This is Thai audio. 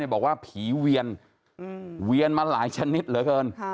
บอกว่าผีเวียนเวียนมาหลายชนิดเหลือเกิน